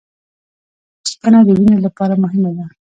اوسپنه د وینې لپاره مهمه ده